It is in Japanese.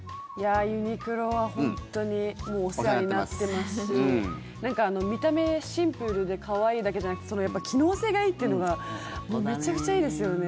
ユニクロは本当にお世話になってますし見た目、シンプルで可愛いだけじゃなくて機能性がいいっていうのがめちゃくちゃいいですよね。